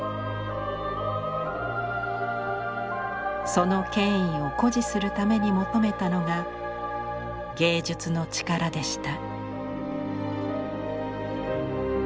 その権威を誇示するために求めたのが芸術の力でした。